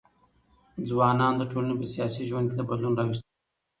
ځوانان د ټولني په سیاسي ژوند ګي د بدلون راوستونکي دي.